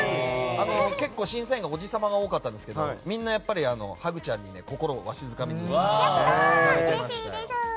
結構、審査員がおじ様が多かったんですけどみんなやっぱりハグちゃんに心をわしづかみにされてました。